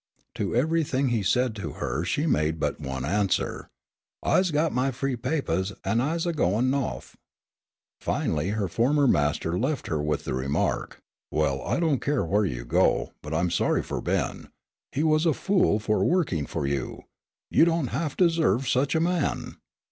To everything he said to her she made but one answer: "I's got my free papahs an' I's a goin' Nawth." Finally her former master left her with the remark: "Well, I don't care where you go, but I'm sorry for Ben. He was a fool for working for you. You don't half deserve such a man."